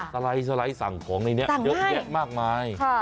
สไลด์สั่งของในนี้เยอะแยะมากมาย